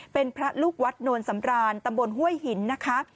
เป็นพระลูกวัดโนนสำรานตำบลห้วยหินนะคะ